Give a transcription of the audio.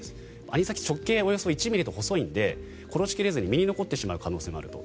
アニサキスは直径およそ１ｍｍと細いので殺し切れずに身に残ってしまう可能性もあると。